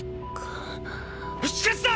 止血だ！！